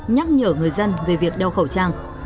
nhắc nhở người dân về việc đeo khẩu trang